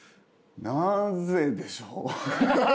なぜでしょう？